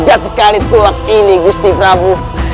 hujat sekali itu waktu ini gusti prabu